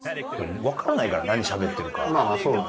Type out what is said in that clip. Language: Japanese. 分からないから何しゃべってるか。